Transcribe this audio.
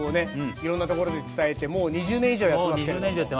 いろんなところで伝えてもう２０年以上やってますけれども。